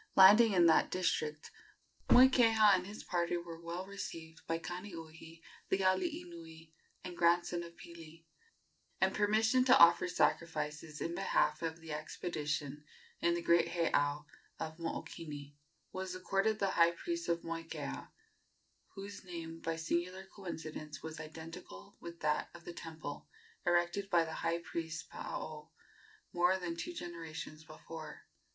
Landing in that district, Moikeha and his party were well received by Kaniuhi, the alii nui and grandson of Pili, and permission to offer sacrifices in behalf of the expedition in the great heiau of Mookini was accorded the high priest of Moikeha, whose name, by singular coincidence, was identical with that of the temple, erected by the high priest Paao more than two generations before.